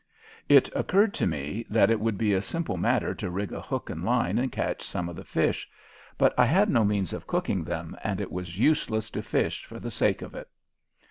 It occurred to me that it would be a simple matter to rig a hook and line and catch some of the fish, but I had no means of cooking them and it was useless to fish for the sake of it.